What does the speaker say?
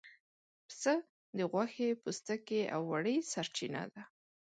پسه د غوښې، پوستکي او وړۍ سرچینه ده.